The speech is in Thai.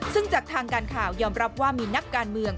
ซึ่งจากทางการข่าวยอมรับว่ามีนักการเมือง